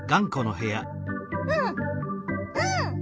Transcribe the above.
うんうん。